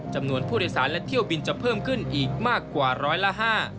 จำนวนผู้โดยสารและเที่ยวบินจะเพิ่มขึ้นอีกมากกว่าร้อยละห้า